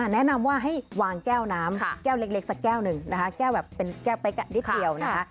แนะนำว่าให้วางแก้วน้ำแก้วเล็กสักแก้วหนึ่งนะคะแก้วแบบเป็นแก้วเป๊กนิดเดียวนะคะ